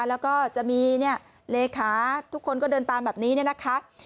แล้วก็จะมีเลขาทุกคนก็เดินตามแบบนี้นะคะ